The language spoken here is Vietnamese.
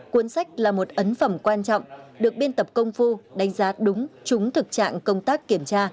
cuốn sách là một ấn phẩm quan trọng được biên tập công phu đánh giá đúng trúng thực trạng công tác kiểm tra